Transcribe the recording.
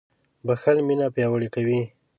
• بښل مینه پیاوړې کوي.